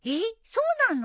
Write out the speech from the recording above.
そうなの。